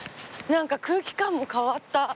何か空気感も変わった。